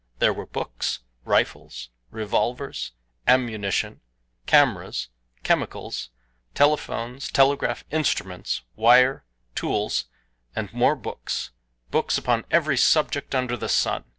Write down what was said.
There were books, rifles, revolvers, ammunition, cameras, chemicals, telephones, telegraph instruments, wire, tools and more books books upon every subject under the sun.